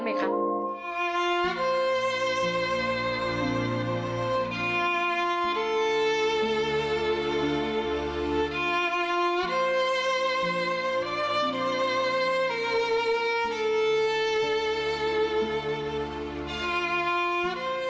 ของท่านได้เสด็จเข้ามาอยู่ในความทรงจำของคน๖๗๐ล้านคนค่ะทุกท่าน